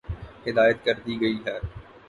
ہدایت کردی ہے